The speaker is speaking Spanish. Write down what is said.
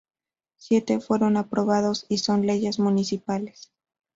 Siete fueron aprobados y son Leyes Municipales.